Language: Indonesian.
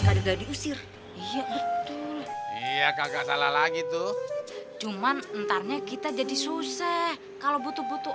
kadang diusir iya betul iya kakak salah lagi tuh cuman ntarnya kita jadi susah kalau butuh butuh